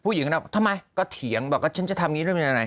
ผู้หญิงคนนั้นทำไมก็เถียงบอกว่าฉันจะทำอย่างนี้ด้วยอะไร